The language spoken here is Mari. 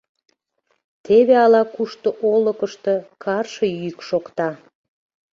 Теве ала-кушто олыкышто карш йӱк шокта.